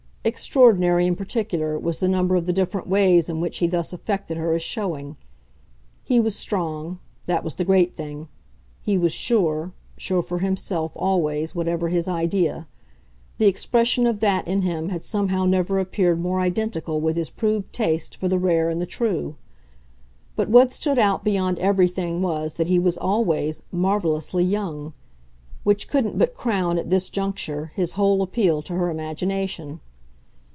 Extraordinary, in particular, was the number of the different ways in which he thus affected her as showing. He was strong that was the great thing. He was sure sure for himself, always, whatever his idea: the expression of that in him had somehow never appeared more identical with his proved taste for the rare and the true. But what stood out beyond everything was that he was always, marvellously, young which couldn't but crown, at this juncture, his whole appeal to her imagination.